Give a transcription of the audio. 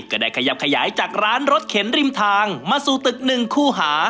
ก็ได้ขยับขยายจากร้านรถเข็นริมทางมาสู่ตึกหนึ่งคู่หา